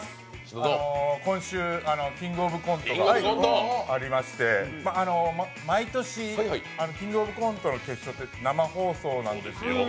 今週、「キングオブコント」がありまして毎年「キングオブコント」の決勝って生放送なんですよ。